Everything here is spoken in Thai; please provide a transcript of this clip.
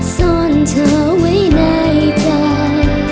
ซ่อนเธอไว้ในใจ